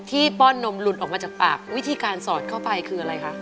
ป้อนนมหลุดออกมาจากปากวิธีการสอดเข้าไปคืออะไรคะ